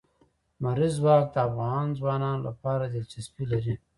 لمریز ځواک د افغان ځوانانو لپاره دلچسپي لري.